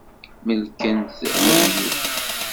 Melken-t lehyuf.